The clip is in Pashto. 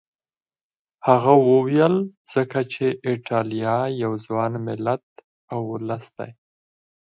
هغه وویل ځکه چې ایټالیا یو ځوان ملت او ولس دی.